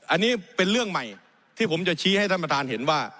อันนี้เป็นเรื่องใหม่ที่ผมจะชี้ให้ท่านประธานเห็นว่า